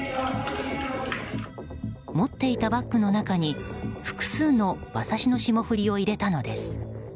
持っていたバッグの中に複数の馬刺しの霜降りを入れたのです。